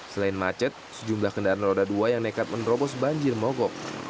selain macet sejumlah kendaraan roda dua yang nekat menerobos banjir mogok